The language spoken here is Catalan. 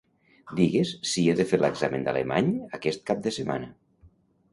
Digues si he de fer l'examen d'alemany aquest cap de setmana.